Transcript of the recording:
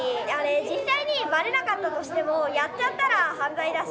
実際にばれなかったとしてもやっちゃったら犯罪だし。